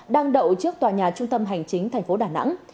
đang đậu trước tòa nhà trung tâm hành chính tp đà nẵng